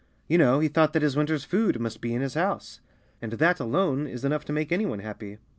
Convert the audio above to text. You know, he thought that his winter's food must be in his house. And that alone is enough to make any one happy.